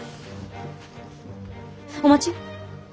お待ち！